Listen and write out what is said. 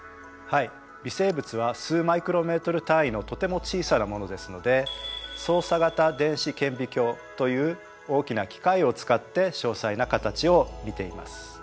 微生物は数マイクロメートル単位のとても小さなものですので走査型電子顕微鏡という大きな機械を使って詳細な形を見ています。